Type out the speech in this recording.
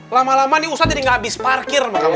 lama lama nih ustadz jadi gak habis parkir sama kamu